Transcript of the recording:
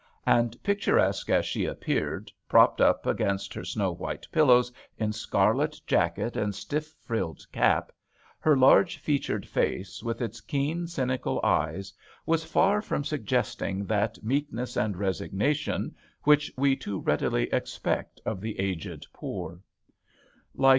And, picturesque as she appeared, propped up against her snow white pillows in scarlet jacket and stifF frilled cap, her large featured face, with its keen, cynical eyes, was far from suggesting that meekness and resignation which we too readily expect in the aged poor.